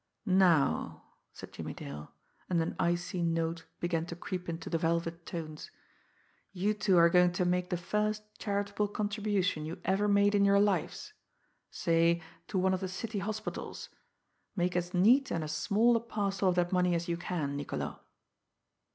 "Now," said Jimmie Dale, and an icy note began to creep into the velvet tones, "you two are going to make the first charitable contribution you ever made in your lives say, to one of the city hospitals. Make as neat and as small a parcel of that money as you can, Niccolo."